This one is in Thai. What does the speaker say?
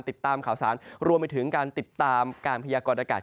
ติดตามข่าวสารรวมไปถึงการติดตามการพยากรณากาศ